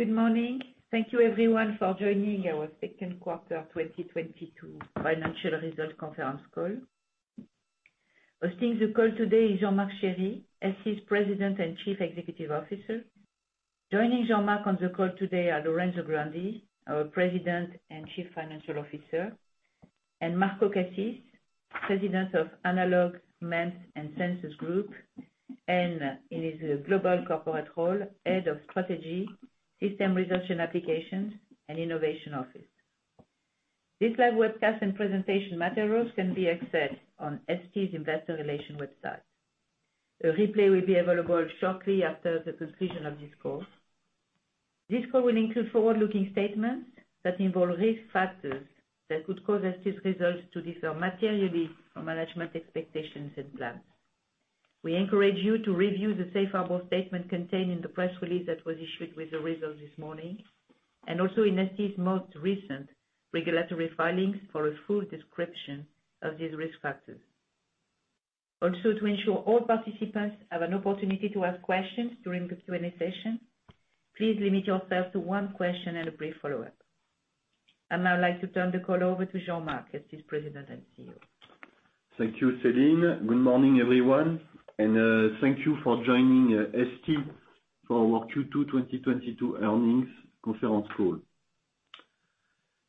Good morning. Thank you everyone for joining our Q2 2022 financial results conference call. Hosting the call today is Jean-Marc Chery, STMicroelectronics's President and Chief Executive Officer. Joining Jean-Marc on the call today are Lorenzo Grandi, our President and Chief Financial Officer, and Marco Cassis, President of Analog, MEMS and Sensors Group, and in his global corporate role, Head of Strategy, System Research and Applications and Innovation Office. This live webcast and presentation materials can be accessed on STMicroelectronics's investor relations website. A replay will be available shortly after the conclusion of this call. This call will include forward-looking statements that involve risk factors that could cause STMicroelectronics's results to differ materially from management expectations and plans. We encourage you to review the safe harbor statement contained in the press release that was issued with the results this morning, and also in STMicroelectronics's most recent regulatory filings for a full description of these risk factors. To ensure all participants have an opportunity to ask questions during the Q&A session, please limit yourself to 1 question and a brief follow-up. I'd now like to turn the call over to Jean-Marc, STMicroelectronics's President and CEO. Thank you, Celine. Good morning, everyone, and thank you for joining ST for our Q2 2022 earnings conference call.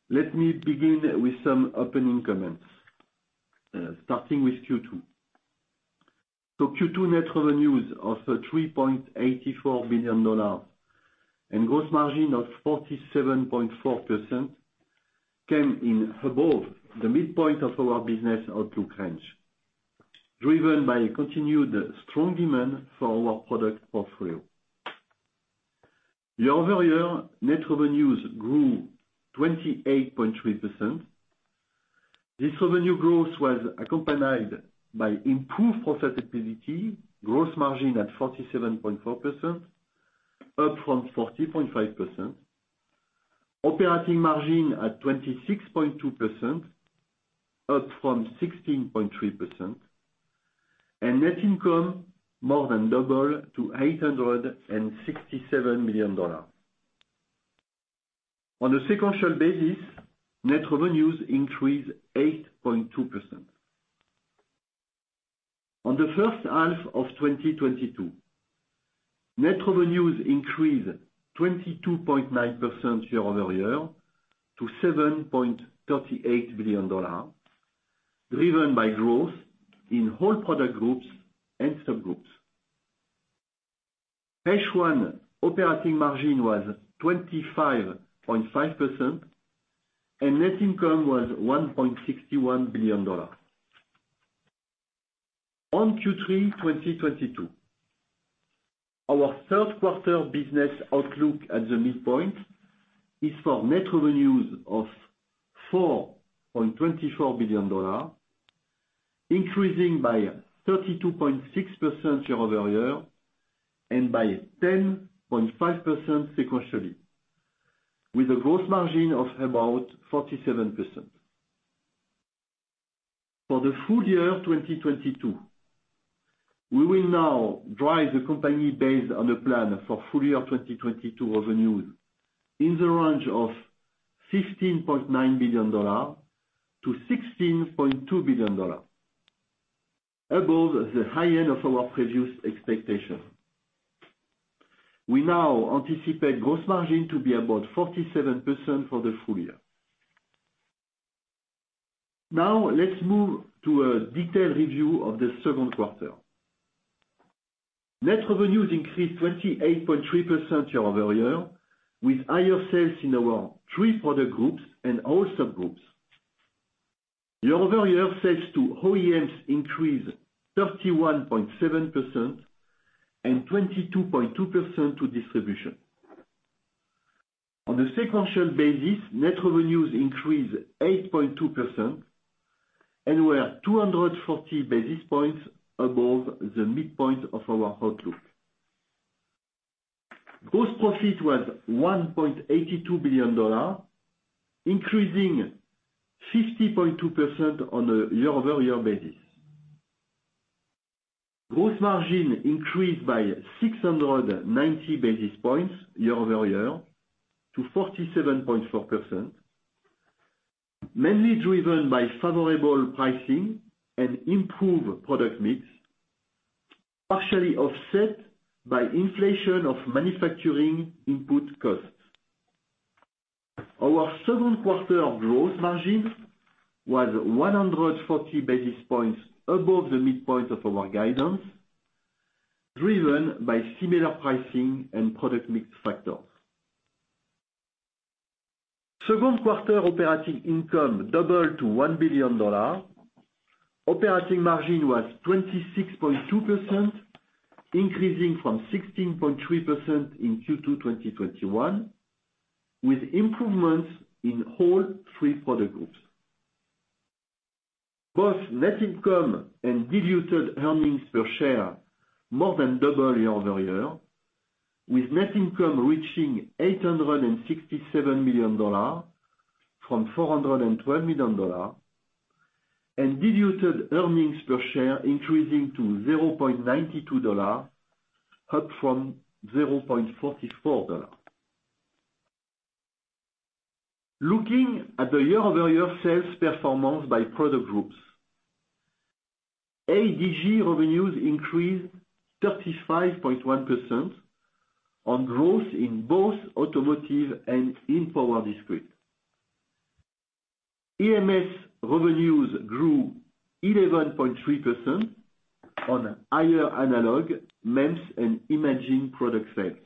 Let me begin with some opening comments, starting with Q2. Q2 net revenues of $3.84 billion and gross margin of 47.4% came in above the midpoint of our business outlook range, driven by continued strong demand for our product portfolio. Year-over-year, net revenues grew 28.3%. This revenue growth was accompanied by improved profitability, gross margin at 47.4%, up from 40.5%, operating margin at 26.2%, up from 16.3%, and net income more than double to $867 million. On a sequential basis, net revenues increased 8.2%. In the H1 of 2022, net revenues increased 22.9% year-over-year to $7.38 billion, driven by growth in all product groups and subgroups. H1 operating margin was 25.5%, and net income was $1.61 billion. In Q3 2022, our Q3 business outlook at the midpoint is for net revenues of $4.24 billion, increasing by 32.6% year-over-year and by 10.5% sequentially, with a gross margin of about 47%. For the full year 2022, we will now drive the company based on the plan for full year 2022 revenues in the range of $15.9 billion-$16.2 billion, above the high end of our previous expectation. We now anticipate gross margin to be about 47% for the full year. Now, let's move to a detailed review of the Q2. Net revenues increased 28.3% year-over-year, with higher sales in our 3 product groups and all subgroups. Year-over-year, sales to OEMs increased 31.7% and 22.2% to distribution. On a sequential basis, net revenues increased 8.2% and were 240 basis points above the midpoint of our outlook. Gross profit was $1.82 billion, increasing 50.2% on a year-over-year basis. Gross margin increased by 690 basis points year-over-year to 47.4%, mainly driven by favorable pricing and improved product mix, partially offset by inflation of manufacturing input costs. Our Q2 gross margin was 140 basis points above the midpoint of our guidance, driven by similar pricing and product mix factors. Q2 operating income doubled to $1 billion. Operating margin was 26.2%, increasing from 16.3% in Q2 2021, with improvements in all 3 product groups. Both net income and diluted earnings per share more than doubled year-over-year, with net income reaching $867 million from $412 million. Diluted earnings per share increasing to $0.92, up from $0.44. Looking at the year-over-year sales performance by product groups, ADG revenues increased 35.1% on growth in both automotive and in power discrete. AMS revenues grew 11.3% on higher analog, MEMS, and imaging product sales.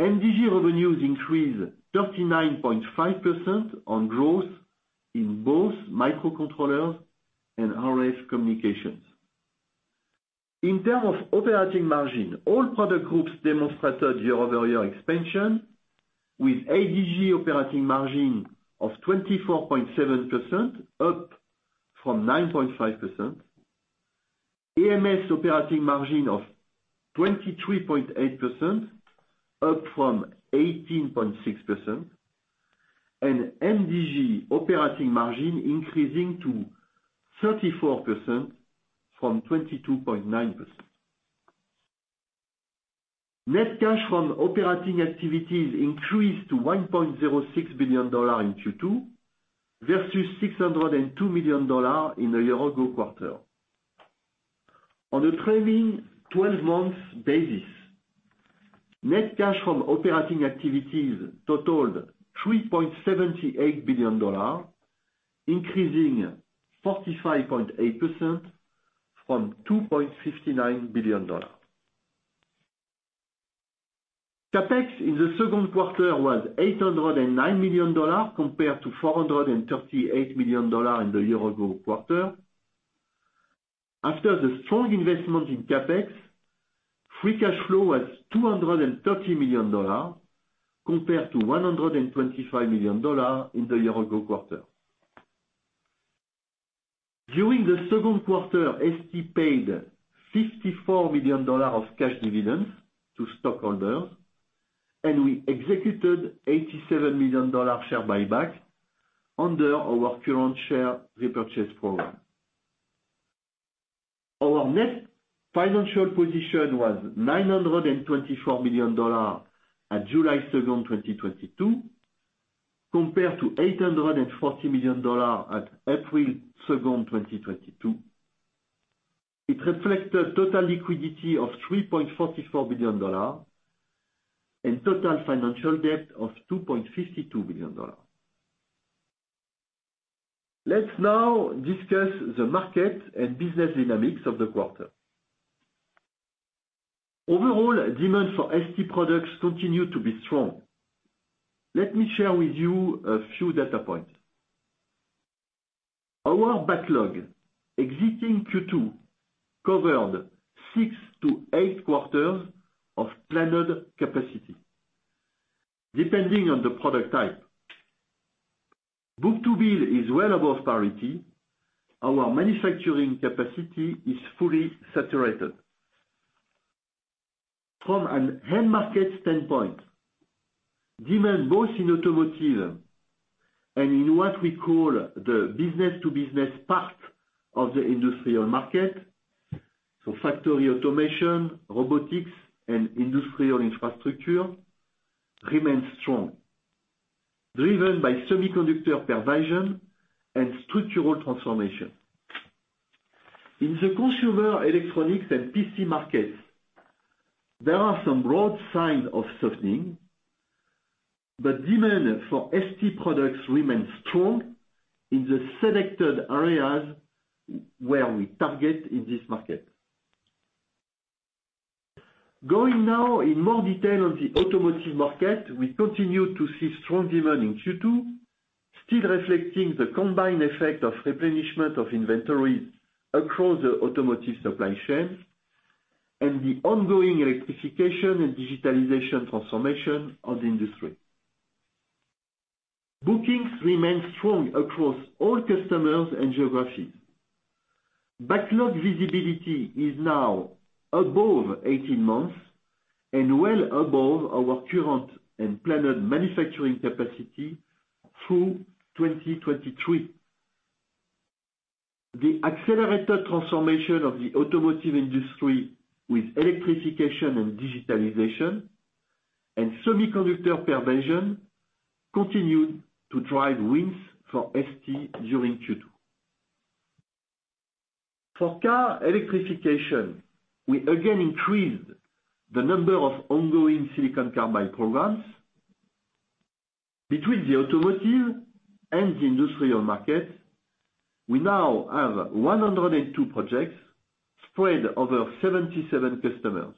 MDG revenues increased 39.5% on growth in both microcontrollers and RF communications. In terms of operating margin, all product groups demonstrated year-over-year expansion with ADG operating margin of 24.7% up from 9.5%. AMS operating margin of 23.8% up from 18.6%. MDG operating margin increasing to 34% from 22.9%. Net cash from operating activities increased to $1.06 billion in Q2 versus $602 million in the year ago quarter. On a trailing 12 months basis, net cash from operating activities totaled $3.78 billion, increasing 45.8% from $2.59 billion. CapEx in the Q2 was $809 million compared to $438 million in the year-ago quarter. After the strong investment in CapEx, free cash flow was $230 million compared to $125 million in the year-ago quarter. During the Q2, ST paid $54 million of cash dividends to stockholders, and we executed $87 million share buyback under our current share repurchase program. Our net financial position was $924 million at July 2, 2022, compared to $840 million at April 2, 2022. It reflects the total liquidity of $3.44 billion and total financial debt of $2.52 billion. Let's now discuss the market and business dynamics of the quarter. Overall, demand for ST products continue to be strong. Let me share with you a few data points. Our backlog exiting Q2 covered 6-8 quarters of planned capacity, depending on the product type. Book-to-bill is well above parity. Our manufacturing capacity is fully saturated. From an end market standpoint, demand both in automotive and in what we call the business-to-business part of the industrial market, so factory automation, robotics, and industrial infrastructure, remains strong, driven by semiconductor pervasion and structural transformation. In the consumer electronics and PC markets, there are some broad signs of softening, but demand for ST products remains strong in the selected areas where we target in this market. Going now in more detail on the automotive market, we continue to see strong demand in Q2, still reflecting the combined effect of replenishment of inventories across the automotive supply chain and the ongoing electrification and digitalization transformation of the industry. Bookings remain strong across all customers and geographies. Backlog visibility is now above 18 months and well above our current and planned manufacturing capacity through 2023. The accelerated transformation of the automotive industry with electrification and digitalization and semiconductor pervasion continued to drive wins for ST during Q2. For car electrification, we again increased the number of ongoing silicon carbide programs. Between the automotive and the industrial market, we now have 102 projects spread over 77 customers.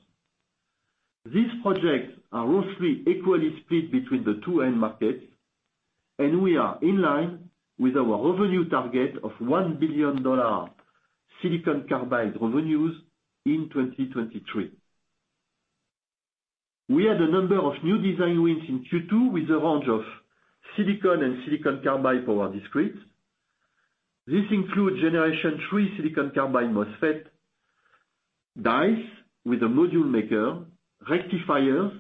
These projects are roughly equally split between the 2 end markets, and we are in line with our revenue target of $1 billion silicon carbide revenues in 2023. We had a number of new design wins in Q2 with a range of silicon and silicon carbide power discrete. This includes third-generation silicon carbide MOSFET dies with a module maker, rectifiers,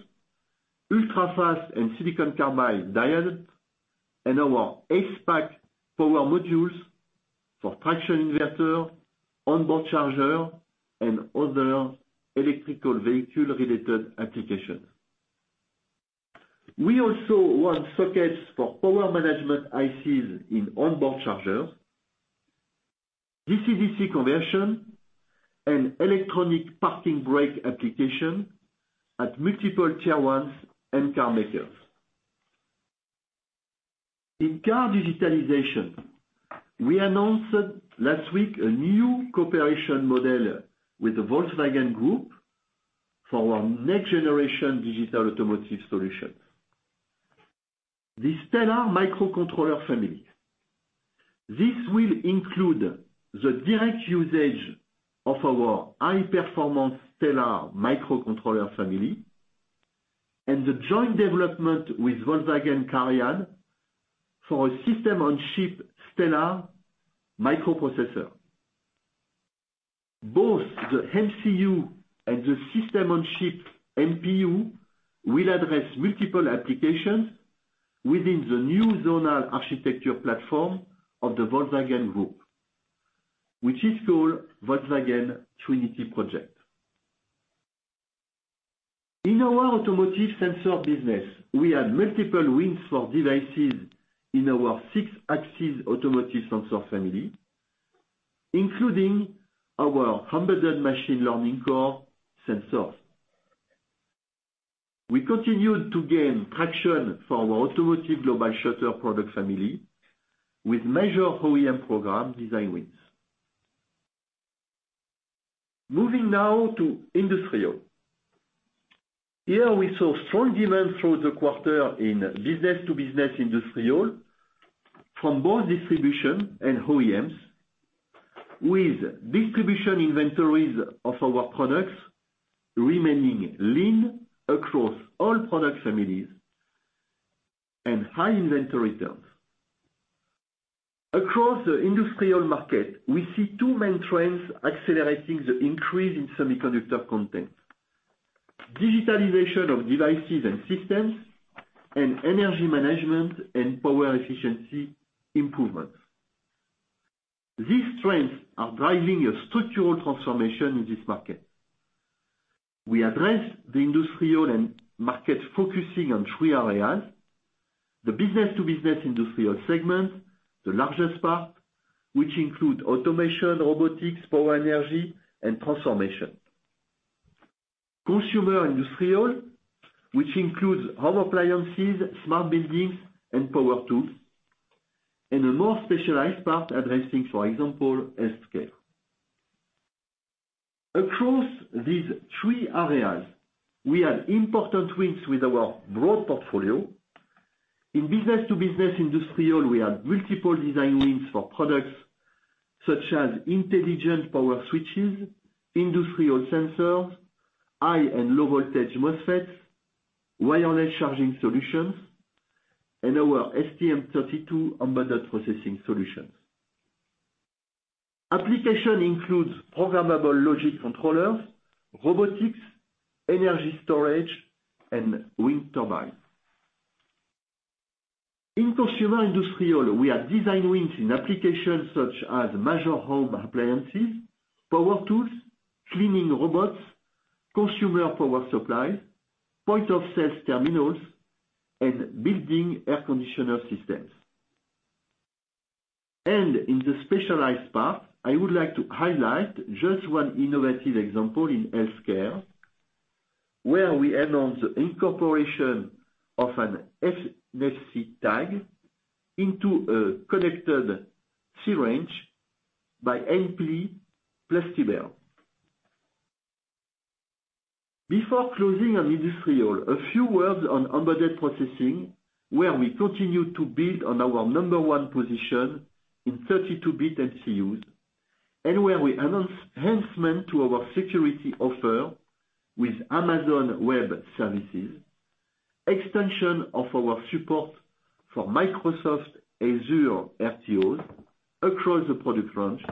ultrafast and silicon carbide diodes, and our ACEPACK power modules for traction inverter, onboard charger, and other electric vehicle-related applications. We also won sockets for power management ICs in onboard chargers, DC-DC conversion, and electronic parking brake application at multiple T1s and carmakers. In-car digitalization, we announced last week a new cooperation model with the Volkswagen Group for our next-generation digital automotive solutions. The Stellar microcontroller family. This will include the direct usage of our high-performance Stellar microcontroller family and the joint development with Volkswagen CARIAD for a system-on-chip Stellar microprocessor. Both the MCU and the system-on-chip NPU will address multiple applications within the new zonal architecture platform of the Volkswagen Group, which is called Project Trinity. In our automotive sensor business, we had multiple wins for devices in our 6-axis automotive sensor family, including our embedded machine learning core sensors. We continued to gain traction for our automotive global shutter product family with major OEM program design wins. Moving now to industrial. Here we saw strong demand through the quarter in business-to-business industrial from both distribution and OEMs, with distribution inventories of our products remaining lean across all product families and high inventory turns. Across the industrial market, we see 2 main trends accelerating the increase in semiconductor content. Digitalization of devices and systems and energy management and power efficiency improvements. These trends are driving a structural transformation in this market. We address the industrial market focusing on 3 areas, the business-to-business industrial segment, the largest part, which include automation, robotics, power, energy, and transformation. Consumer industrial, which includes home appliances, smart buildings, and power tools, and a more specialized part addressing, for example, healthcare. Across these 3 areas, we have important wins with our broad portfolio. In business-to-business industrial, we have multiple design wins for products such as intelligent power switches, industrial sensors, high and low voltage MOSFETs, wireless charging solutions, and our STM32 embedded processing solutions. Application includes programmable logic controllers, robotics, energy storage, and wind turbines. In consumer industrial, we have design wins in applications such as major home appliances, power tools, cleaning robots, consumer power supply, point of sales terminals, and building air conditioner systems. In the specialized part, I would like to highlight just 1 innovative example in healthcare, where we announce the incorporation of an NFC tag into a connected syringe by Ampli-Plastibell. Before closing on industrial, a few words on embedded processing, where we continue to build on our number 1 position in 32-bit MCUs, and where we announce enhancement to our security offer with Amazon Web Services, extension of our support for Microsoft Azure RTOS across the product range,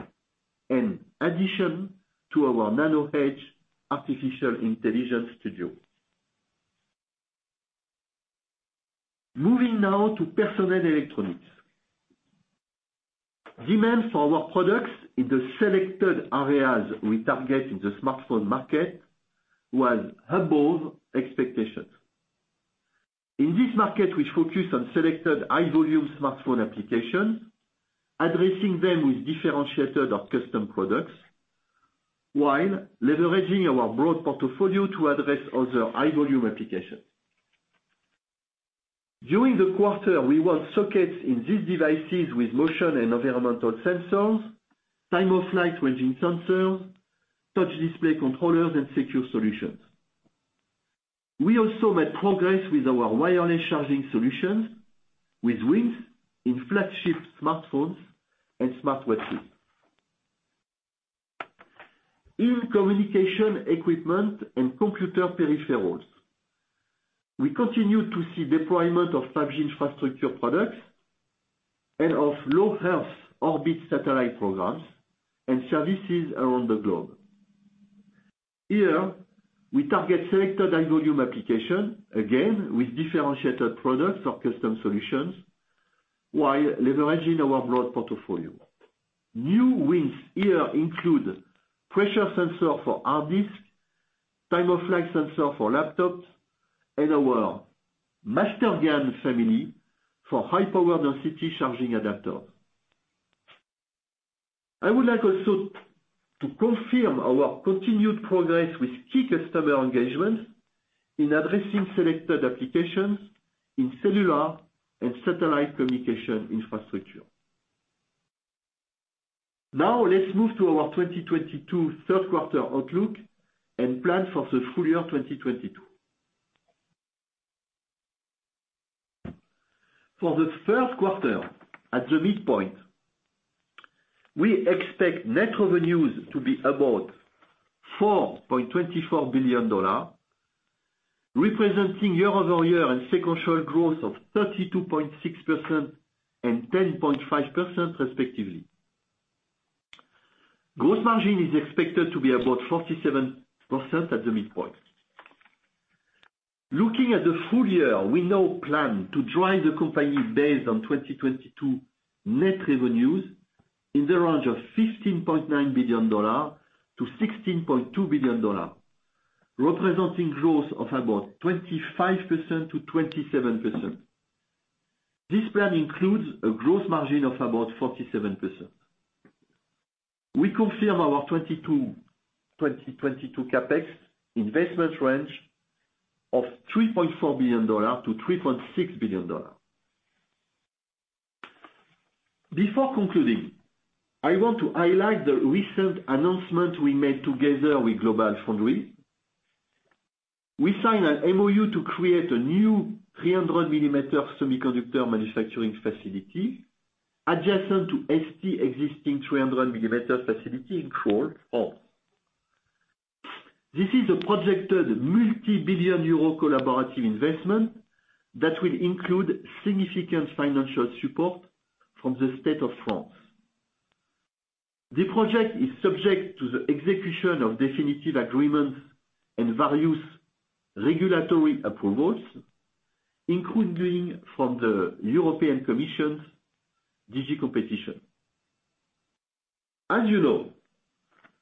and addition to our NanoEdge artificial intelligence studio. Moving now to personal electronics. Demand for our products in the selected areas we target in the smartphone market was above expectations. In this market, we focus on selected high volume smartphone applications, addressing them with differentiated or custom products, while leveraging our broad portfolio to address other high volume applications. During the quarter, we won sockets in these devices with motion and environmental sensors, time-of-flight ranging sensors, touch display controllers, and secure solutions. We also made progress with our wireless charging solutions with wins in flagship smartphones and smartwatch team. In communication equipment and computer peripherals. We continue to see deployment of 5G infrastructure products and of low-Earth orbit satellite programs and services around the globe. Here, we target selected high volume application, again, with differentiated products or custom solutions, while leveraging our broad portfolio. New wins here include pressure sensor for hard disk, time-of-flight sensor for laptops, and our MasterGaN family for high power density charging adapter. I would like also to confirm our continued progress with key customer engagements in addressing selected applications in cellular and satellite communication infrastructure. Now, let's move to our 2022 Q3 outlook and plan for the full year 2022. For the Q1, at the midpoint, we expect net revenues to be about $4.24 billion, representing year-over-year and sequential growth of 32.6% and 10.5% respectively. Gross margin is expected to be about 47% at the midpoint. Looking at the full year, we now plan to drive the company based on 2022 net revenues in the range of $15.9 billion-$16.2 billion, representing growth of about 25%-27%. This plan includes a gross margin of about 47%. We confirm our 2022 CapEx investment range of $3.4 billion-$3.6 billion. Before concluding, I want to highlight the recent announcement we made together with GlobalFoundries. We signed an MOU to create a new 300 millimeter semiconductor manufacturing facility adjacent to ST existing 300 millimeter facility in Crolles, France. This is a projected multi-billion EUR collaborative investment that will include significant financial support from the state of France. The project is subject to the execution of definitive agreements and various regulatory approvals, including from the European Commission's DG Competition. As you know,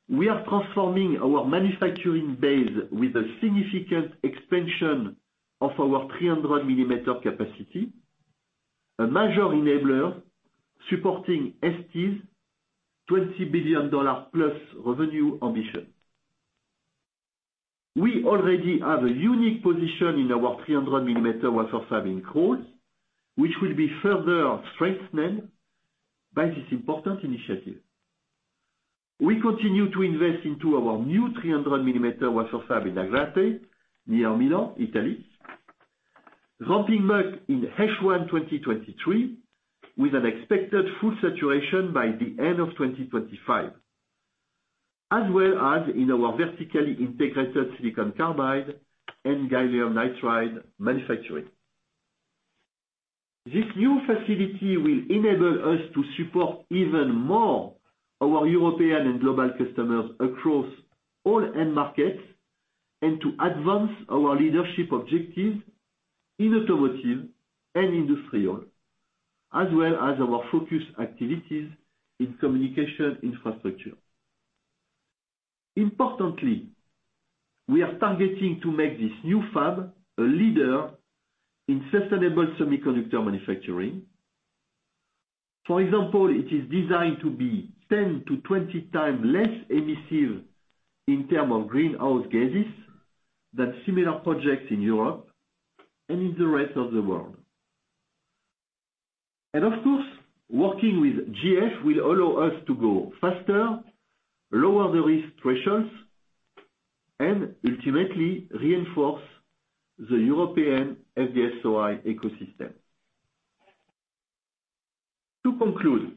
we are transforming our manufacturing base with a significant expansion of our 300-millimeter capacity, a major enabler supporting ST's $20 billion-plus revenue ambition. We already have a unique position in our 300-millimeter wafer fab in Crolles, which will be further strengthened by this important initiative. We continue to invest into our new 300-millimeter wafer fab in Agrate, near Milan, Italy, ramping back in H1 2023, with an expected full saturation by the end of 2025, as well as in our vertically integrated silicon carbide and gallium nitride manufacturing. This new facility will enable us to support even more our European and global customers across all end markets and to advance our leadership objectives in automotive and industrial, as well as our focus activities in communication infrastructure. Importantly, we are targeting to make this new fab a leader in sustainable semiconductor manufacturing. For example, it is designed to be 10-20 times less emissive in terms of greenhouse gases than similar projects in Europe and in the rest of the world. Of course, working with GF will allow us to go faster, lower the risk thresholds, and ultimately reinforce the European FDSOI ecosystem. To conclude,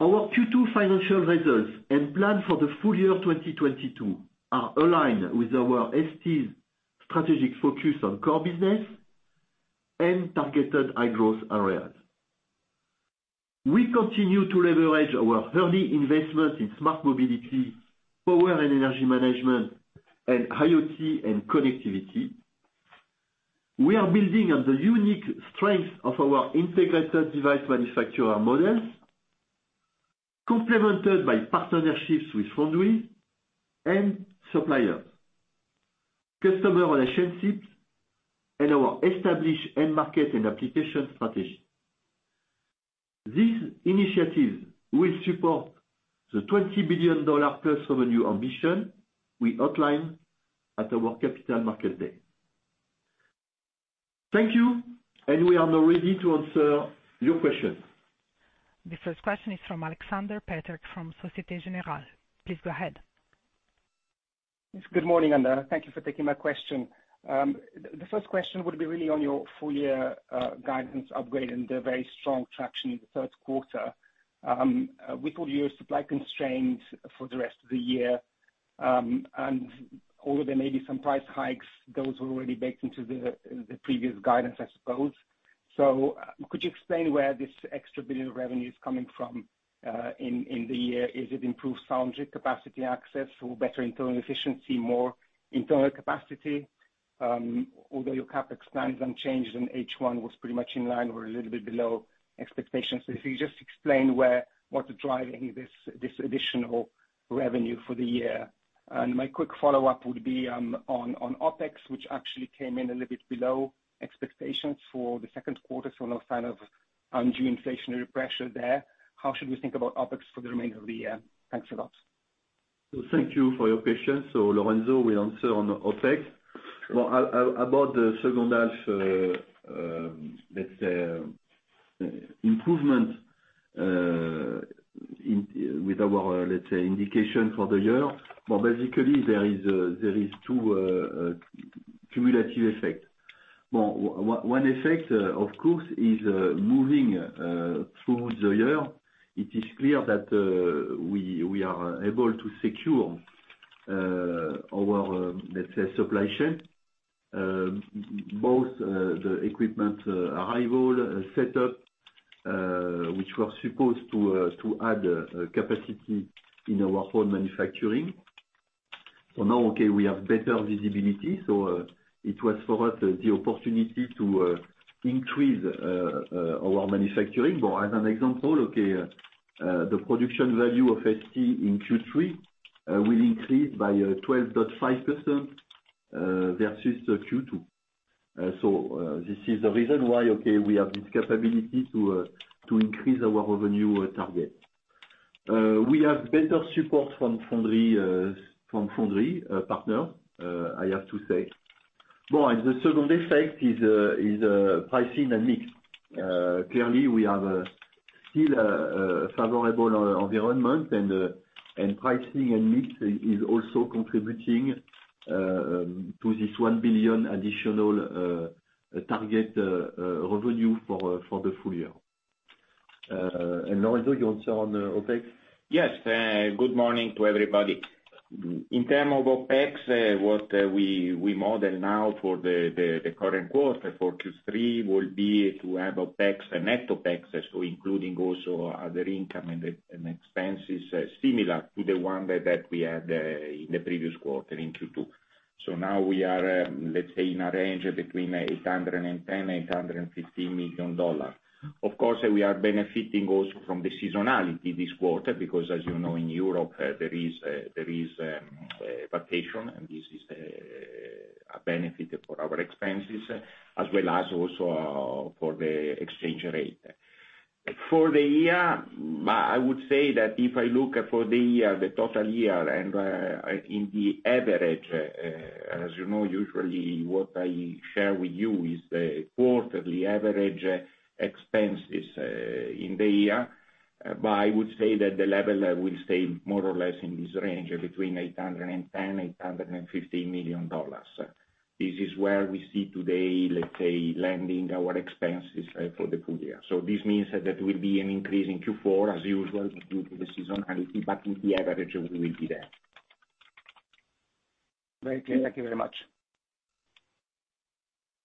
our Q2 financial results and plan for the full year 2022 are aligned with our ST's strategic focus on core business and targeted high growth areas. We continue to leverage our early investments in smart mobility, power and energy management, and IoT and connectivity. We are building on the unique strength of our integrated device manufacturer models, complemented by partnerships with foundry and suppliers, customer relationships, and our established end market and application strategy. These initiatives will support the $20 billion+ revenue ambition we outlined at our Capital Markets Day. Thank you, and we are now ready to answer your questions. The first question is from Aleksander Peterc from Société Générale. Please go ahead. Yes, good morning, and thank you for taking my question. The first question would be really on your full year guidance upgrade and the very strong traction in the Q3. We could hear supply constraints for the rest of the year, and although there may be some price hikes, those were already baked into the previous guidance, I suppose. Could you explain where this extra $1 billion revenue is coming from, in the year? Is it improved foundry capacity access or better internal efficiency, more internal capacity? Although your CapEx plans unchanged in H1 was pretty much in line or a little bit below expectations. If you just explain what's driving this additional revenue for the year. My quick follow-up would be on OpEx, which actually came in a little bit below expectations for the Q2, so no sign of undue inflationary pressure there. How should we think about OpEx for the remainder of the year? Thanks a lot. Thank you for your question. Lorenzo will answer on OpEx. About the H2, let's say, improvement with our, let's say, indication for the year. Basically there is 2 cumulative effect. 1 effect, of course, is moving through the year, it is clear that we are able to secure our, let's say, supply chain, both the equipment arrival, setup, which were supposed to add capacity in our own manufacturing. Now, okay, we have better visibility. It was for us the opportunity to increase our manufacturing. As an example, okay, the production value of STMicroelectronics in Q3 will increase by 12.5%, versus Q2. This is the reason why, okay, we have this capability to increase our revenue target. We have better support from foundry, from foundry partner, I have to say. Well, the second effect is pricing and mix. Clearly, we have still a favorable environment and pricing and mix is also contributing to this $1 billion additional target revenue for the full year. Lorenzo, you answer on the OpEx? Yes. Good morning to everybody. In terms of OpEx, what we model now for the current quarter for Q3 will be to have OpEx and net OpEx, so including also other income and expenses similar to the 1 that we had in the previous quarter in Q2. Now we are, let's say, in a range between $810 million and $815 million. Of course, we are benefiting also from the seasonality this quarter, because as you know, in Europe, there is vacation, and this is a benefit for our expenses as well as also for the exchange rate. For the year, I would say that if I look for the year, the total year and in the average, as you know, usually what I share with you is the quarterly average expenses in the year. I would say that the level will stay more or less in this range between $800 million and $815 million. This is where we see today, let's say, landing our expenses for the full year. This means that there will be an increase in Q4 as usual due to the seasonality, but in the average we will be there. Very clear. Thank you very much.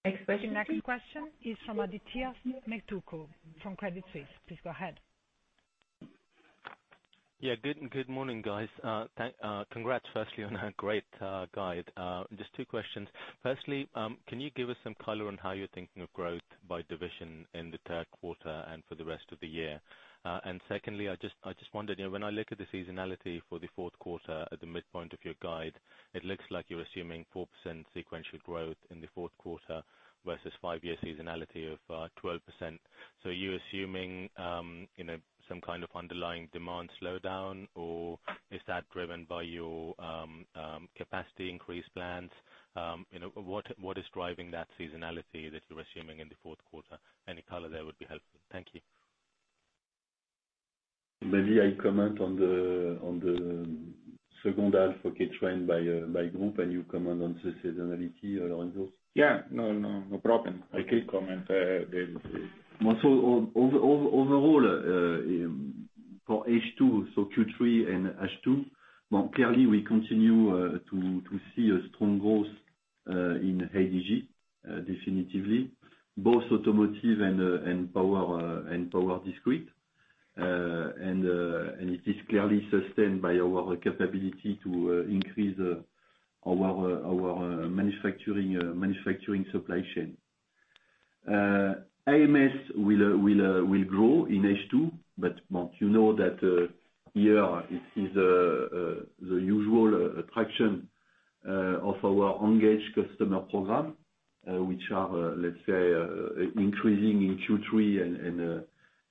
Next question. The next question is from Aditya Metuku from Credit Suisse. Please go ahead. Yeah. Good morning, guys. Congrats, firstly, on a great guide. Just 2 questions. Firstly, can you give us some color on how you're thinking of growth by division in the Q3` and for the rest of the year? And secondly, I wondered, you know, when I look at the seasonality for the Q4 at the midpoint of your guide, it looks like you're assuming 4% sequential growth in the Q4 versus 5-year seasonality of 12%. So are you assuming, you know, some kind of underlying demand slowdown, or is that driven by your capacity increase plans? You know, what is driving that seasonality that you're assuming in the Q4? Any color there would be helpful. Thank you. Maybe I comment on the H2, okay, trend by group, and you comment on the seasonality, Lorenzo. Yeah. No, no problem. Okay. I can comment, then. Overall, for H2, Q3 and H2, well, clearly we continue to see a strong growth in ADG, definitively, both automotive and power, and power discrete. It is clearly sustained by our capability to increase our manufacturing supply chain. AMS will grow in H2, but well, you know that here it is the usual attraction of our engaged customer program, which are, let's say, increasing in Q3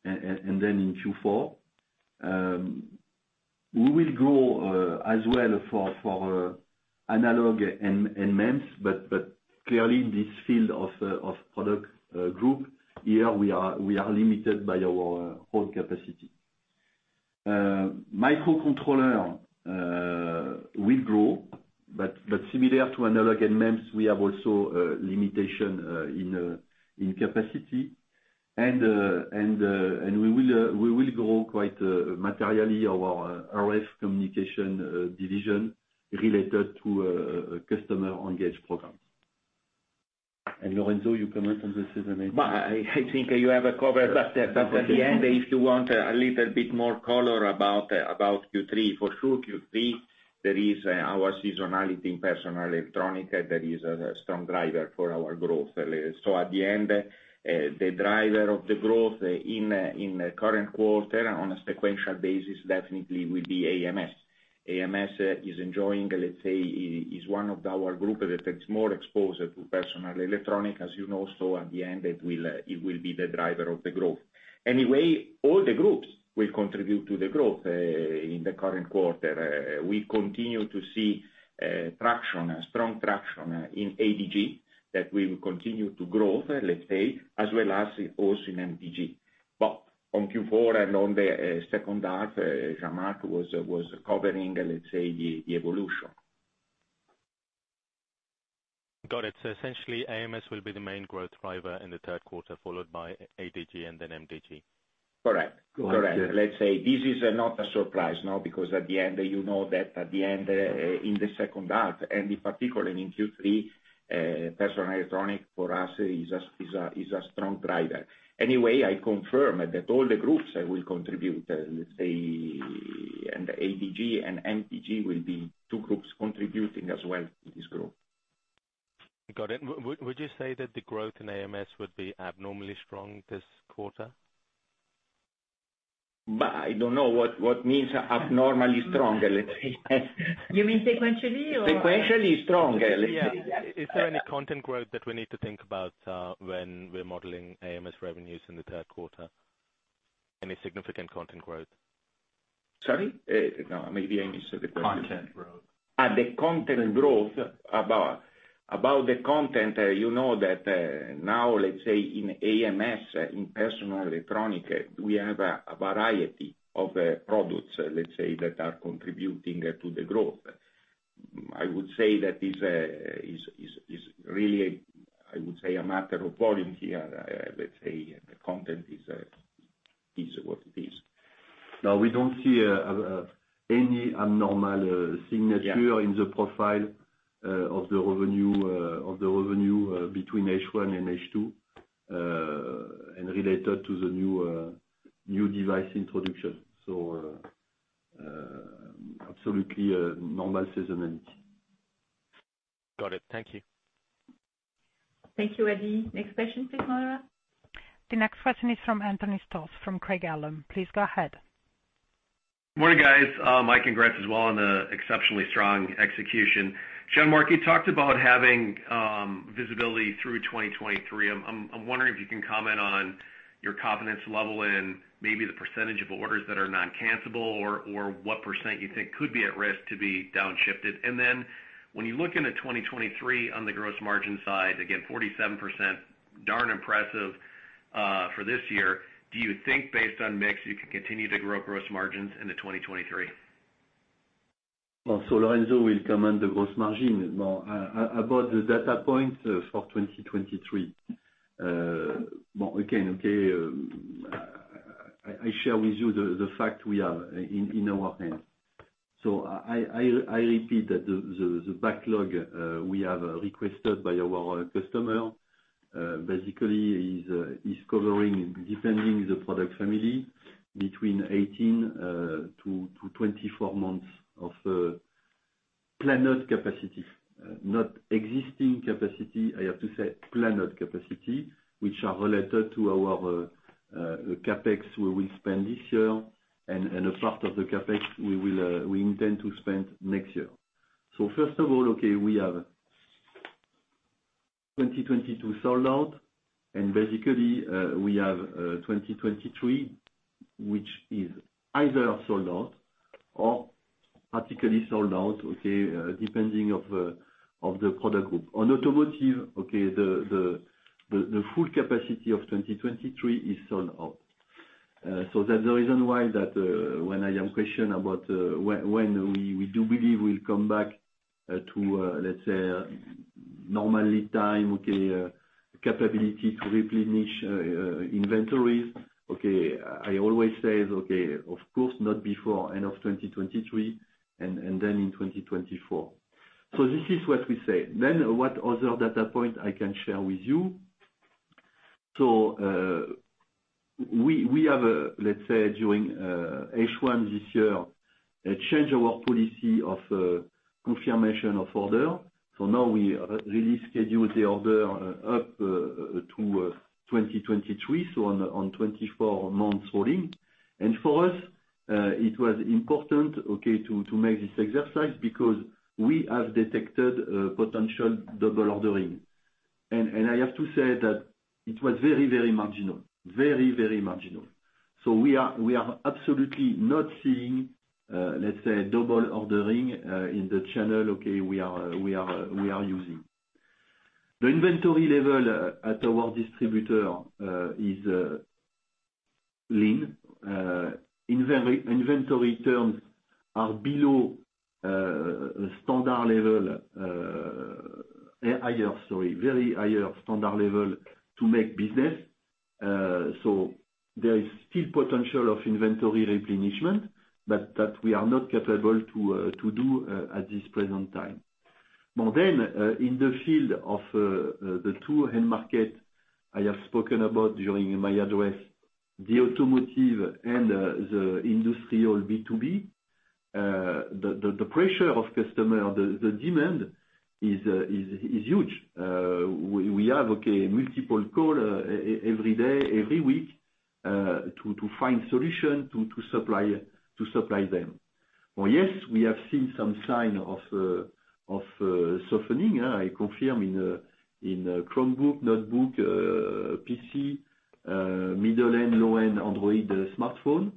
and then in Q4. We will grow as well for analog and MEMS, but clearly this field of product group, here we are limited by our own capacity. Microcontroller will grow, but similar to analog and MEMS, we have also a limitation in capacity. We will grow quite materially our RF communications division related to customer engaged programs. Lorenzo, you comment on this seasonality? I think you have covered that. At the end, if you want a little bit more color about Q3. For sure, Q3, there is our seasonality in personal electronics that is a strong driver for our growth. At the end, the driver of the growth in current quarter on a sequential basis definitely will be AMS. AMS is enjoying, let's say, is 1 of our group that is more exposed to personal electronics, as you know, so at the end, it will be the driver of the growth. Anyway, all the groups will contribute to the growth in the current quarter. We continue to see traction, strong traction in ADG that will continue to grow, let's say, as well as also in MDG. On Q4 and on the H2, Jean-Marc was covering, let's say, the evolution. Got it. Essentially, AMS will be the main growth driver in the Q3, followed by ADG and then MDG. Correct. Let's say this is not a surprise, no? Because at the end, you know that at the end, in the H2, and in particular in Q3, personal electronics for us is a strong driver. Anyway, I confirm that all the groups will contribute. Let's say ADG and MDG will be 2 groups contributing as well to this growth. Got it. Would you say that the growth in AMS would be abnormally strong this quarter? I don't know what means abnormally strong. You mean sequentially or? Sequentially strong. Let's say. Yeah. Is there any content growth that we need to think about, when we're modeling AMS revenues in the Q3? Any significant content growth? Sorry? No, maybe I misunderstood the question. Content growth. The content growth. You know that now, let's say in AMS, in personal electronics, we have a variety of products, let's say, that are contributing to the growth. I would say that this is really a matter of volume here. Let's say the content is what it is. No, we don't see any abnormal signature. Yeah in the profile of the revenue between H1 and H2 and related to the new device introduction. Absolutely a normal seasonality. Got it. Thank you. Thank you, Eddie. Next question please, Moira. The next question is from Anthony Stoss, from Craig-Hallum. Please go ahead. Morning, guys. My congrats as well on the exceptionally strong execution. Jean-Marc, you talked about having visibility through 2023. I'm wondering if you can comment on your confidence level in maybe the percentage of orders that are non-cancelable or what percent you think could be at risk to be downshifted. When you look into 2023 on the gross margin side, again, 47%, darn impressive for this year. Do you think based on mix, you can continue to grow gross margins into 2023? Lorenzo will comment the gross margin. No, about the data point for 2023. I share with you the fact we have in our hand. I repeat that the backlog we have requested by our customer basically is covering, depending the product family, between 18-24 months of planned capacity, not existing capacity, I have to say planned capacity, which are related to our CAPEX we will spend this year and a part of the CAPEX we intend to spend next year. First of all, we have 2022 sold out and basically we have 2023, which is either sold out or particularly sold out, depending of the product group. On automotive, the full capacity of 2023 is sold out. That's the reason why when I am questioned about when we do believe we will come back to, let's say, normal lead time, capability to replenish inventories, I always say, of course, not before end of 2023 and then in 2024. This is what we say. What other data point I can share with you. We have, let's say, during H1 this year, change our policy of confirmation of order. Now we really schedule the order up to 2023, so on 24 months rolling. For us, it was important to make this exercise because we have detected potential double ordering. I have to say that it was very marginal. Very marginal. We are absolutely not seeing, let's say, double ordering in the channel we are using. The inventory level at our distributor is lean. Inventory terms are below a standard level, higher, sorry, very high standard level to make business. There is still potential of inventory replenishment, but that we are not capable to do at this present time. In the field of the 2 end markets I have spoken about during my address, the automotive and the industrial B2B, the pressure of customer demand is huge. We have multiple calls every day, every week to find solutions to supply them. Well, yes, we have seen some sign of softening. I confirm in Chromebook, notebook PC, middle-end low-end Android smartphone,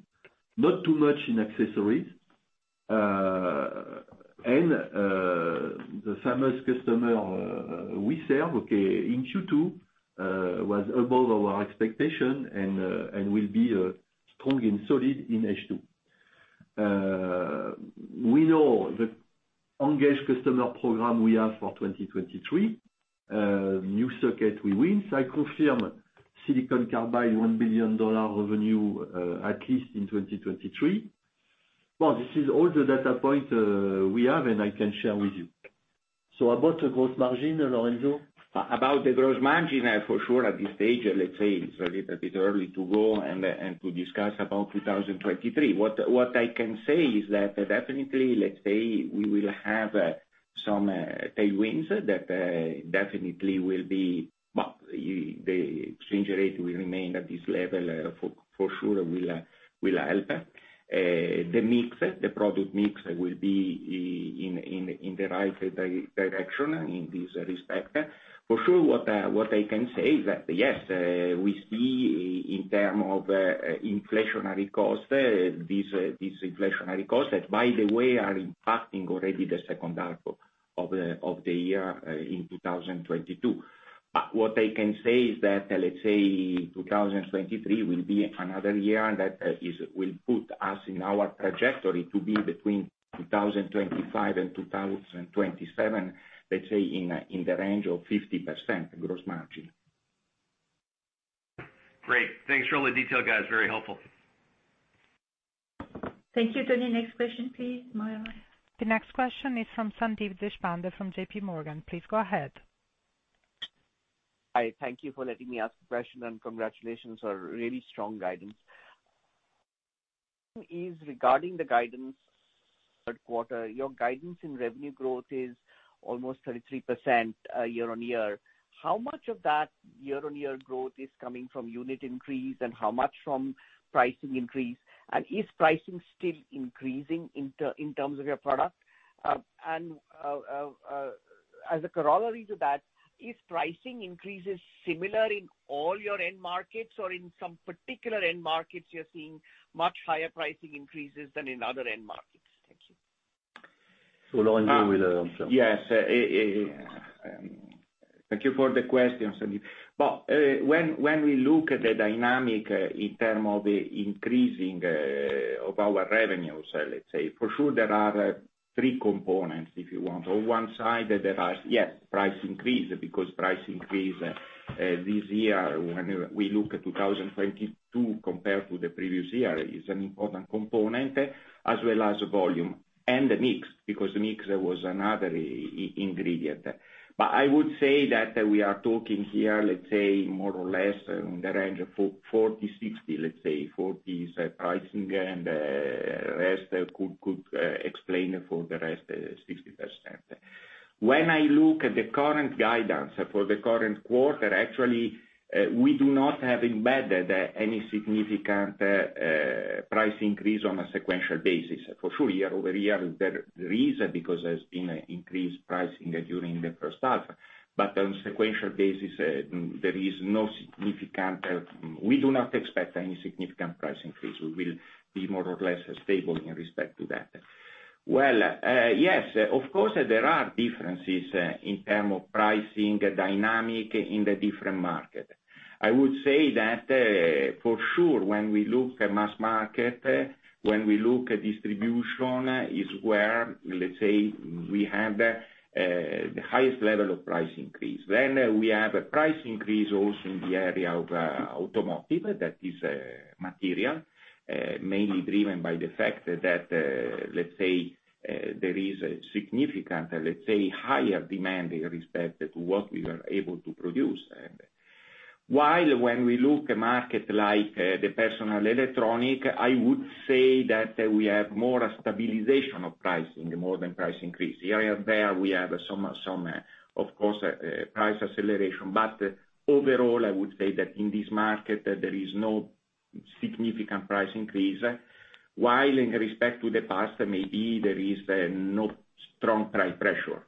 not too much in accessories. The famous customer we serve in Q2 was above our expectation and will be strong and solid in H2. We know the engaged customer program we have for 2023, new circuit we win. I confirm silicon carbide $1 billion revenue, at least in 2023. Well, this is all the data point we have and I can share with you. About the gross margin, Lorenzo? About the gross margin, for sure at this stage, let's say it's a little bit early to go and to discuss about 2023. What I can say is that definitely, let's say we will have some tailwinds that definitely will be, well, the exchange rate will remain at this level, for sure will help. The mix, the product mix will be in the right direction in this respect. For sure, what I can say is that, yes, we see in terms of inflationary costs, these inflationary costs that, by the way, are impacting already the H2 of the year in 2022. What I can say is that, let's say 2023 will be another year that will put us in our trajectory to be between 2025 and 2027, let's say in the range of 50% gross margin. Great. Thanks for all the detail, guys. Very helpful. Thank you, Tony. Next question, please, Moira. The next question is from Sandeep Deshpande from JPMorgan. Please go ahead. Hi, thank you for letting me ask the question, and congratulations on really strong guidance. It's regarding the guidance for the Q3, your guidance in revenue growth is almost 33% year-on-year. How much of that year-on-year growth is coming from unit increase and how much from pricing increase? Is pricing still increasing in terms of your product? As a corollary to that, is pricing increases similar in all your end markets or in some particular end markets you're seeing much higher pricing increases than in other end markets? Thank you. Lorenzo will answer. Yes. Thank you for the question, Sandeep. When we look at the dynamics in terms of increasing of our revenues, let's say, for sure there are 3 components, if you want. On 1 side, there are, yes, price increase, because price increase this year, when we look at 2022 compared to the previous year, is an important component, as well as volume and mix, because mix was another ingredient. I would say that we are talking here, let's say more or less in the range of 40-60, let's say 40 is pricing and rest could explain for the rest 60%. When I look at the current guidance for the current quarter, actually, we do not have embedded any significant price increase on a sequential basis. For sure, year-over-year, there is, because there's been increased pricing during the H1. On sequential basis, we do not expect any significant price increase. We will be more or less stable in respect to that. Well, yes, of course there are differences in terms of pricing dynamics in the different markets. I would say that, for sure, when we look at mass market, when we look at distribution is where, let's say, we have the highest level of price increase. We have a price increase also in the area of automotive. That is materially mainly driven by the fact that, let's say, there is a significantly higher demand in respect to what we were able to produce. While when we look at market like, the personal electronic, I would say that we have more a stabilization of pricing more than price increase. Here and there, we have some, of course, price acceleration. Overall, I would say that in this market, there is no significant price increase. While in respect to the past, maybe there is no strong price pressure,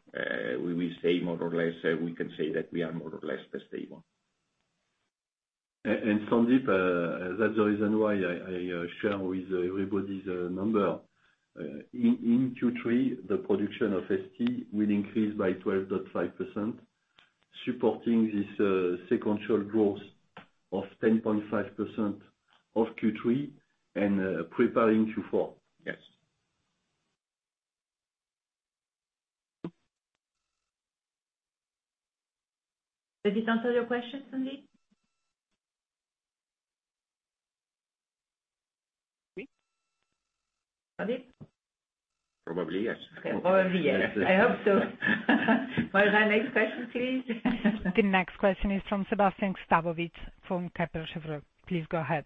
we will say more or less, we can say that we are more or less stable. Sandeep, that's the reason why I share with everybody the number. In Q3, the production of STMicroelectronics will increase by 12.5%. Supporting this, sequential growth of 10.5% of Q3 and preparing Q4. Yes. Does this answer your question, Sandeep? Sandeep? Probably, yes. Probably, yes. I hope so. Moira, next question, please. The next question is from Sebastien Sztabowicz from Kepler Cheuvreux. Please go ahead.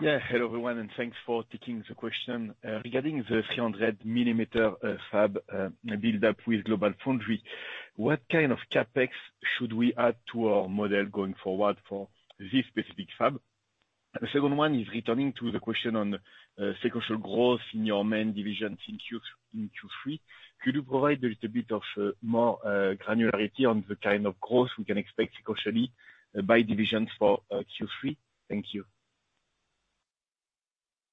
Yeah. Hello, everyone, and thanks for taking the question. Regarding the 300-millimeter fab build up with GlobalFoundries, what kind of CapEx should we add to our model going forward for this specific fab? The second one is returning to the question on sequential growth in your main divisions in Q3. Could you provide a little bit of more granularity on the kind of growth we can expect sequentially by divisions for Q3? Thank you.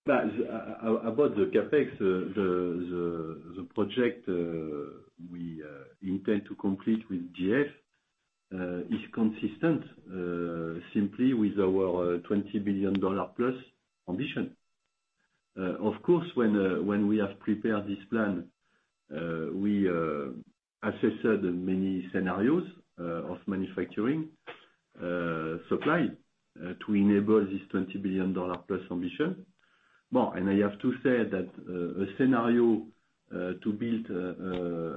That about the CapEx the project we intend to complete with GF is consistent simply with our $20 billion-plus ambition. Of course, when we have prepared this plan, we assessed many scenarios of manufacturing supply to enable this $20 billion-plus ambition. Well, I have to say that a scenario to build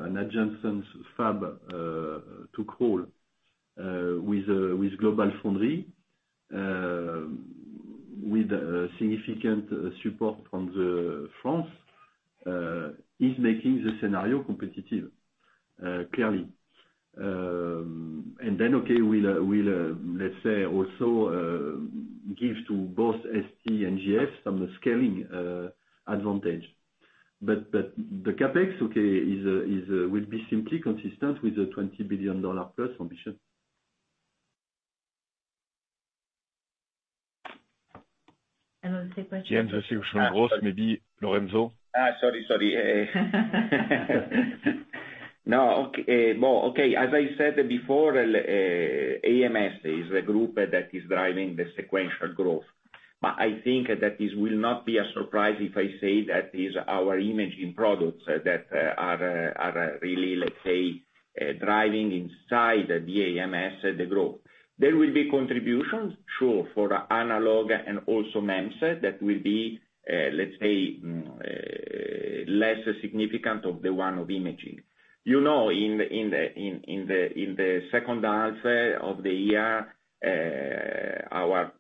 an adjacent fab to Crolles with GlobalFoundries with significant support from France is making the scenario competitive clearly. Then, okay, we'll let's say also give to both STMicroelectronics and GF some scaling advantage. The CapEx okay will be simply consistent with the $20 billion-plus ambition. Another question. Yeah, the sequential growth, maybe Lorenzo. As I said before, AMS is the group that is driving the sequential growth. I think that this will not be a surprise if I say that it is our imaging products that are really, let's say, driving inside the AMS the growth. There will be contributions, sure, for analog and also MEMS that will be, let's say, less significant than the one of imaging. You know, in the H2 of the year, our,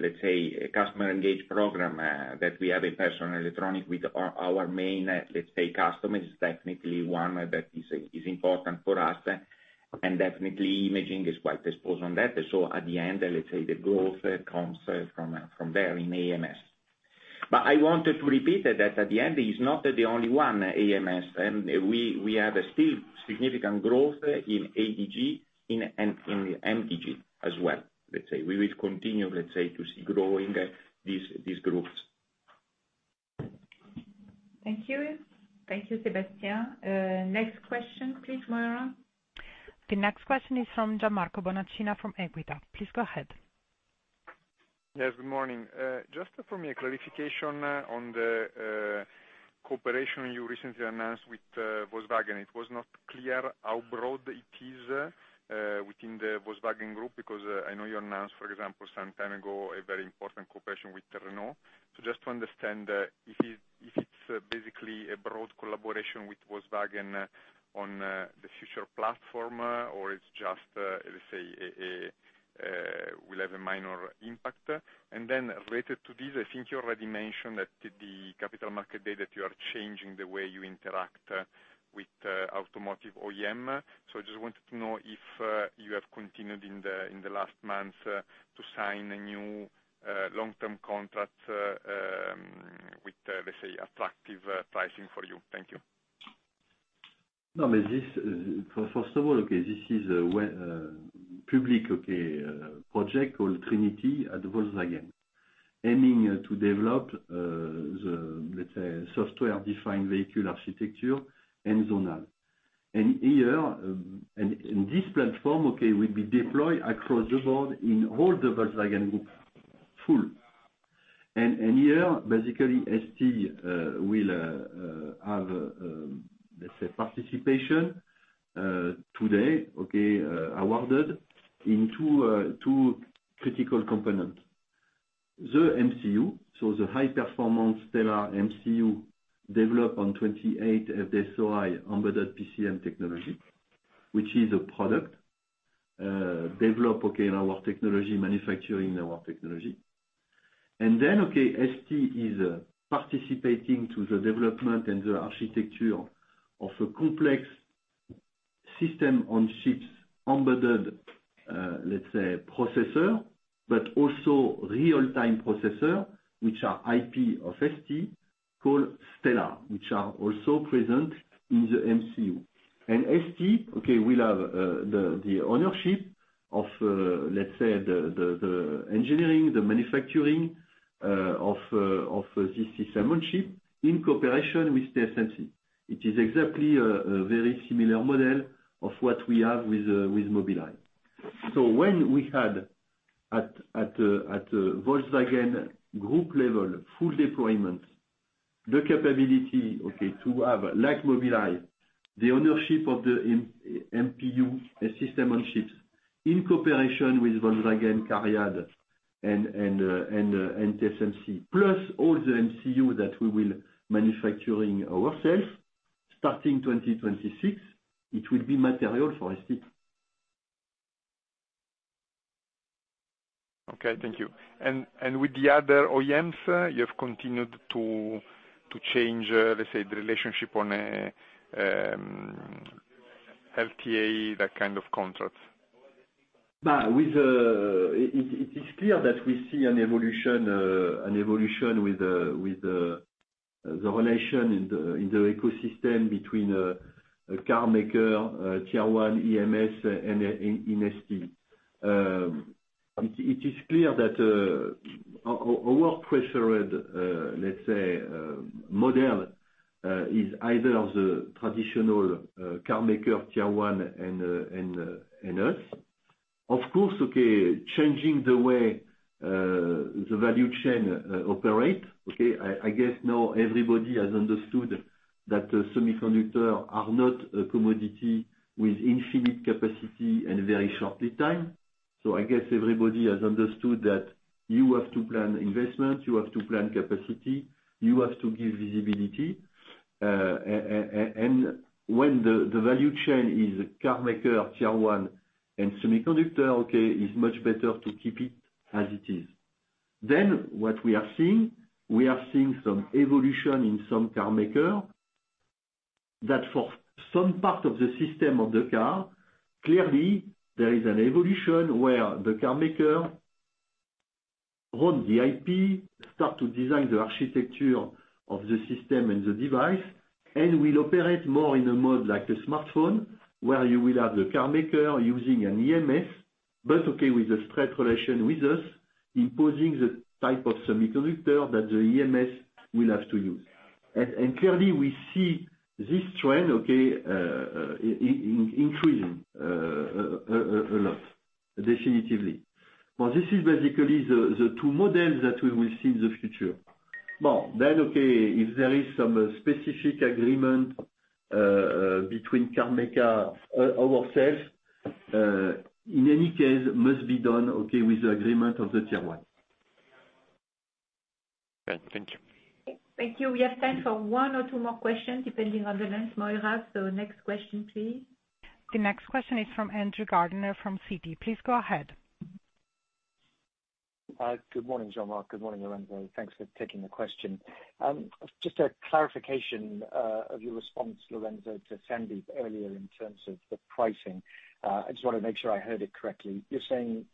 let's say, customer engagement program that we have in personal electronics with our main, let's say, customers is technically one that is important for us. Definitely imaging is quite exposed to that. At the end, let's say the growth comes from there in AMS. I wanted to repeat that at the end it's not the only one, AMS, and we have a still significant growth in ADG and in MDG as well, let's say. We will continue, let's say, to see growing these groups. Thank you. Thank you, Sebastien. Next question, please, Moira. The next question is from Gianmarco Bonacina from Equita. Please go ahead. Yes, good morning. Just for me, a clarification on the cooperation you recently announced with Volkswagen. It was not clear how broad it is within the Volkswagen Group, because I know you announced, for example, some time ago, a very important cooperation with Renault. Just to understand if it's basically a broad collaboration with Volkswagen on the future platform or it's just, let's say, will have a minor impact? And then related to this, I think you already mentioned that the Capital Markets Day that you are changing the way you interact with automotive OEM. Just wanted to know if you have continued in the last months to sign a new long-term contract with, let's say, attractive pricing for you. Thank you. No, this first of all is a well-publicized project called Project Trinity at Volkswagen, aiming to develop the, let's say, software-defined vehicle architecture and zonal. This platform will be deployed across the board in all the Volkswagen Group full. Here, basically STMicroelectronics will have, let's say, participation today awarded in 2 critical components. The MCU, so the high-performance Stellar MCU developed on 28 FDSOI embedded PCM technology, which is a product developed in our technology manufacturing our technology. STMicroelectronics is participating to the development and the architecture of a complex system-on-chip embedded, let's say, processor, but also real-time processor, which are IP of STMicroelectronics called Stellar, which are also present in the MCU. STMicroelectronics will have the ownership of, let's say, the engineering, the manufacturing of this system-on-chip in cooperation with TSMC. It is exactly a very similar model of what we have with Mobileye. When we have at Volkswagen Group level full deployment, the capability to have, like Mobileye, the ownership of the MPU system-on-chips in cooperation with Volkswagen, CARIAD, and TSMC, plus all the MCU that we will manufacturing ourselves starting 2026, it will be material for STMicroelectronics. Okay, thank you. With the other OEMs, you have continued to change, let's say, the relationship on a LTA, that kind of contract. It is clear that we see an evolution with the relation in the ecosystem between a car maker, T1, AMS and STMicroelectronics. It is clear that our preferred, let's say, model is the traditional car maker, T1 and us. Of course, okay, changing the way the value chain operate, okay, I guess now everybody has understood that the semiconductors are not a commodity with infinite capacity and very short lead time. I guess everybody has understood that you have to plan investments, you have to plan capacity, you have to give visibility. When the value chain is car maker, T1, and semiconductors, it's much better to keep it as it is. What we are seeing some evolution in some car maker, that for some part of the system of the car, clearly there is an evolution where the car maker run the IP, start to design the architecture of the system and the device, and will operate more in a mode like a smartphone, where you will have the car maker using an AMS, but with a straight relation with us, imposing the type of semiconductor that the AMS will have to use. And clearly, we see this trend increasing a lot, definitively. This is basically the 2 models that we will see in the future. If there is some specific agreement between car maker ourselves, in any case must be done with the agreement of the T1. Okay. Thank you. Thank you. We have time for 1 or 2 more questions, depending on the length. Moira, next question, please. The next question is from Andrew Gardiner from Citi. Please go ahead. Good morning, Jean-Marc. Good morning, Lorenzo. Thanks for taking the question. Just a clarification of your response, Lorenzo, to Sandeep earlier in terms of the pricing. I just wanna make sure I heard it correctly. You're saying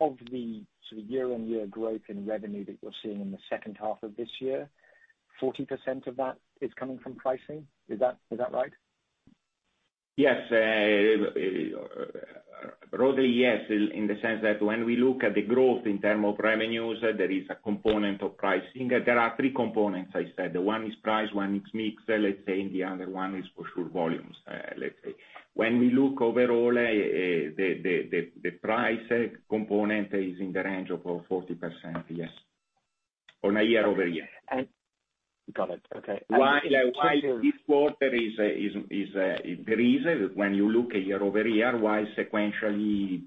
of the sort of year-on-year growth in revenue that you're seeing in the H2 of this year, 40% of that is coming from pricing? Is that right? Yes. Broadly, yes, in the sense that when we look at the growth in terms of revenues, there is a component of pricing. There are 3 components I said. 1 is price, 1 is mix, let's say, and the other 1 is for sure volumes, let's say. When we look overall, the price component is in the range of 40%, yes, on a year-over-year. Got it. Okay. While this quarter increases, when you look at year-over-year, while sequentially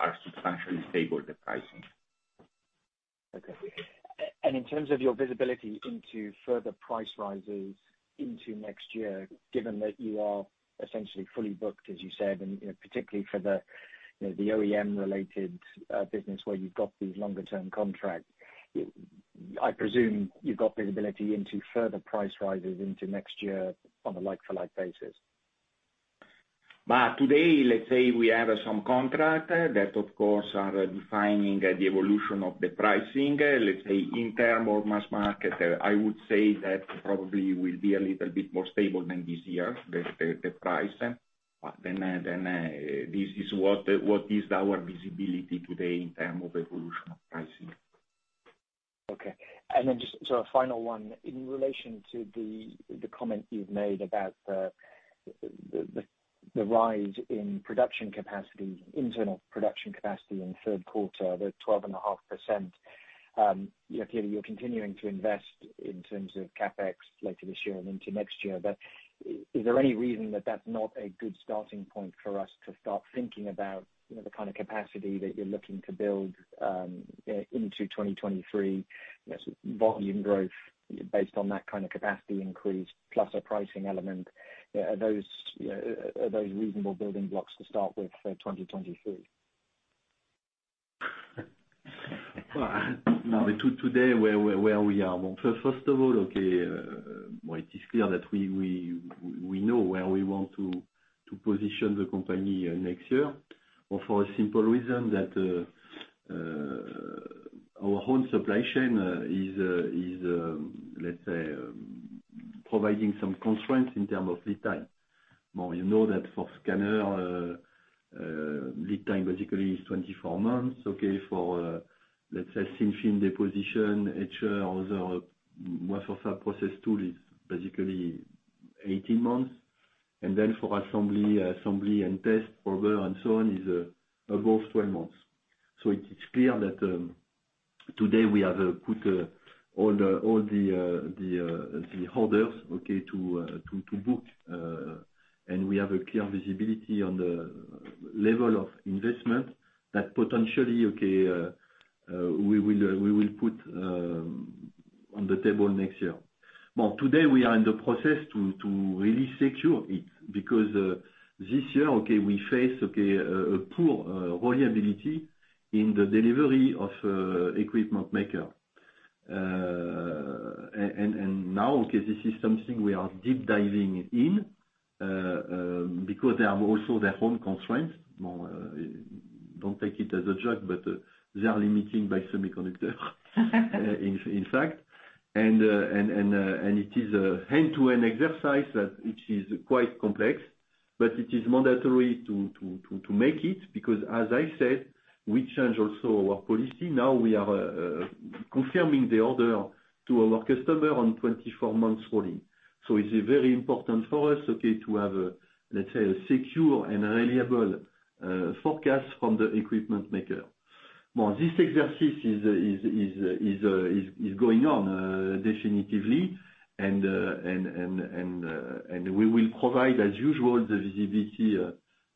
are substantially stable, the pricing. Okay. In terms of your visibility into further price rises into next year, given that you are essentially fully booked, as you said, and, you know, particularly for the, you know, the OEM-related business where you've got these longer term contracts, I presume you've got visibility into further price rises into next year-on a like-for-like basis. Today, let's say we have some contract that of course are defining the evolution of the pricing. Let's say in terms of mass market, I would say that probably will be a little bit more stable than this year, the price. Then, this is what is our visibility today in terms of evolution of pricing. Okay. Just so a final one. In relation to the comment you've made about the rise in production capacity, internal production capacity in the Q3, the 12.5%, yeah, clearly you're continuing to invest in terms of CapEx later this year and into next year. Is there any reason that that's not a good starting point for us to start thinking about, you know, the kind of capacity that you're looking to build into 2023? You know, so volume growth based on that kind of capacity increase plus a pricing element. Are those reasonable building blocks to start with for 2023? Well, now to today, where we are. Well, first of all, well, it is clear that we know where we want to position the company next year, for a simple reason that our whole supply chain is, let's say, providing some constraints in terms of lead time. Now, you know that for scanner lead time basically is 24 months. For, let's say, thin film deposition, etcher or the wafer fab process tool is basically 18 months. For assembly and test, probe and so on is above 12 months. It's clear that today we have put all the orders, okay, to book and we have a clear visibility on the level of investment that potentially we will put on the table next year. Now, today we are in the process to really secure it because this year we face a poor reliability in the delivery of equipment maker. And now this is something we are deep diving in because they have also their own constraints. Well, don't take it as a joke, but they are limited by semiconductors, in fact. It is an end-to-end exercise that which is quite complex, but it is mandatory to make it because as I said, we change also our policy. Now we are confirming the order to our customer on 24 months rolling. It's very important for us, okay, to have, let's say, a secure and reliable forecast from the equipment maker. Now, this exercise is going on definitively and we will provide as usual the visibility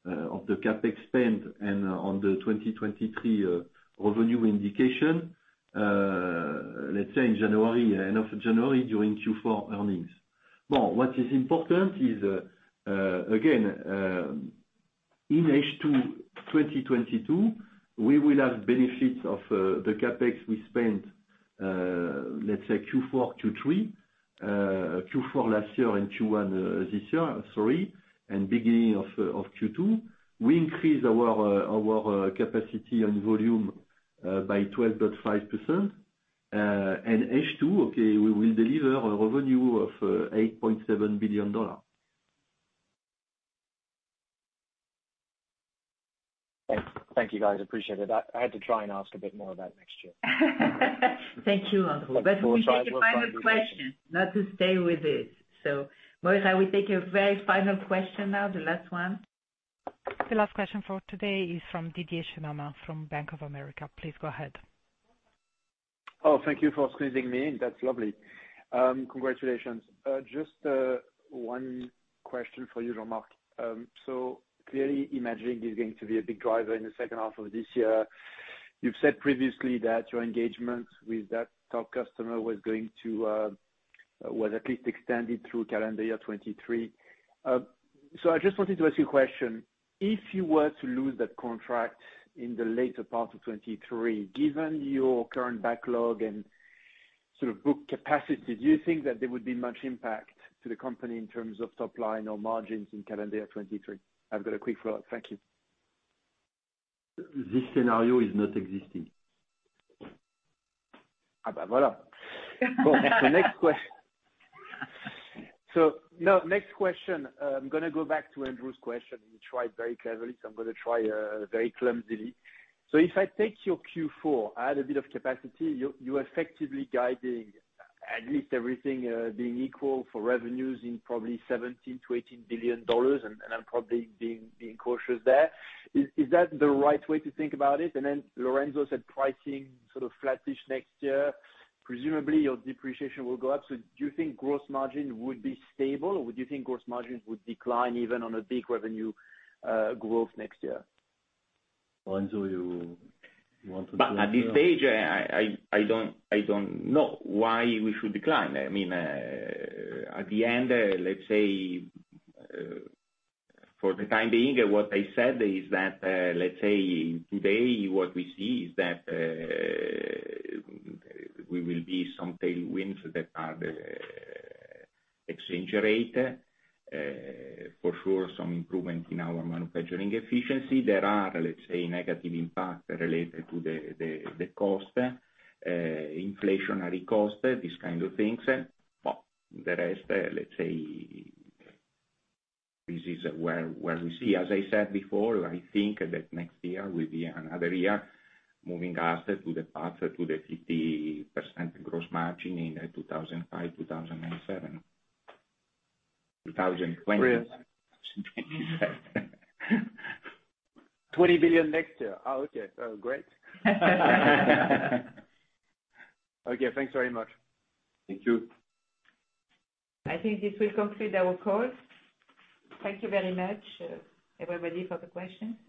of the CapEx spend and on the 2023 revenue indication, let's say in January, end of January during Q4 earnings. Now, what is important is, again, in H2 2022, we will have benefits of, the CapEx we spent, let's say Q3, Q4 last year and Q1 this year, sorry, and beginning of Q2. We increase our capacity and volume by 12.5%. H2, okay, we will deliver a revenue of $8.7 billion. Thank you guys, appreciate it. I had to try and ask a bit more about next year. Thank you, Andrew. We take a final question, not to stay with it. Moira, we take a very final question now, the last one. The last question for today is from Didier Scemama from Bank of America. Please go ahead. Oh, thank you for squeezing me in. That's lovely. Congratulations. Just 1 question for you, Jean-Marc. Clearly imaging is going to be a big driver in the H2 of this year. You've said previously that your engagement with that top customer was at least extended through calendar year 2023. I just wanted to ask you a question. If you were to lose that contract in the later part of 2023, given your current backlog and sort of book capacity, do you think that there would be much impact to the company in terms of top line or margins in calendar year 2023? I've got a quick follow-up. Thank you. This scenario is not existing. Now next question, I'm gonna go back to Andrew's question. He tried very cleverly, I'm gonna try very clumsily. If I take your Q4, add a bit of capacity, you're effectively guiding at least everything being equal for revenues in probably $17 billion-$18 billion, and I'm probably being cautious there. Is that the right way to think about it? Then Lorenzo said pricing sort of flattish next year. Presumably your depreciation will go up. Do you think gross margin would be stable, or would you think gross margins would decline even on a big revenue growth next year? Lorenzo, you want to take that? At this stage, I don't know why we should decline. I mean, at the end, let's say, for the time being, what I said is that, let's say today what we see is that, we will be some tailwinds that are the exchange rate, for sure some improvement in our manufacturing efficiency. There are, let's say, negative impact related to the cost, inflationary cost, these kind of things. But the rest, let's say, this is where we see. As I said before, I think that next year will be another year moving us to the path to the 50% gross margin in 2025, 2027. 2020. $20 billion next year. Oh, okay. Oh, great. Okay. Thanks very much. Thank you. I think this will conclude our call. Thank you very much, everybody, for the questions.